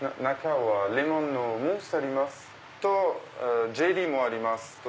中はレモンのムースあります。